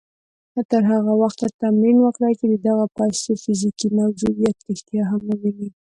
تر هغه وخته تمرين وکړئ چې د دغو پيسو فزيکي موجوديت رښتيا هم ووينئ.